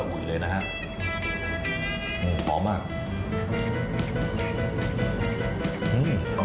อืมหอมมาก